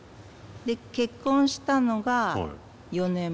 で結婚したのが４年前なんです。